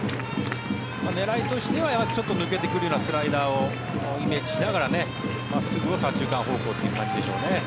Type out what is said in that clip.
狙いとしては、ちょっと抜けてくるようなスライダーをイメージしながら真っすぐを左中間方向という感じでしょうね。